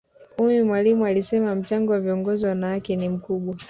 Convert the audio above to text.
ummy mwalimu alisema mchango wa viongozi wanawake ni mkubwa